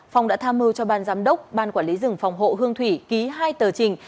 phòng đã tham mưu cho ban giám đốc ban quản lý rừng phòng hộ hương thủy ký hai tờ trình